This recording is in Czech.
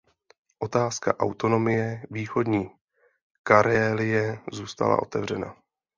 Otázka autonomie východní Karélie zůstala otevřená.